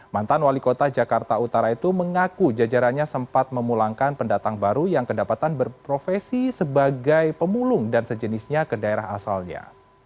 mantan wali kota jakarta utara itu mengaku jajarannya sempat memulangkan pendatang baru yang kedapatan berprofesi sebagai pemulung dan sejenisnya ke daerah asalnya